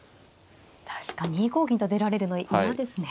確かに２五銀と出られるの嫌ですね。